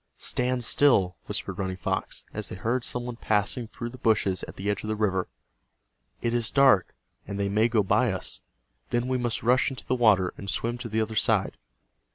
"Stand still!" whispered Running Fox, as they heard some one passing through the bushes at the edge of the river. "It is dark, and they may go by us. Then we must rush into the water, and swim to the other side."